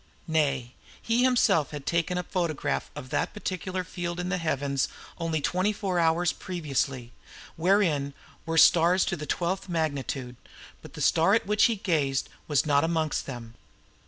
Nay, he himself had taken a photograph of that particular field in the heavens only twenty four hours previously, wherein were stars to the twelfth magnitude; but the star at which he gazed was not amongst them.